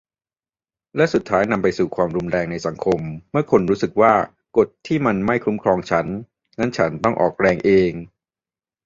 และสุดท้ายนำไปสู่ความรุนแรงในสังคม เมื่อคนรู้สึกว่ากฎที่มีมันไม่คุ้มครองฉัน งั้นฉันต้องออกแรงเอง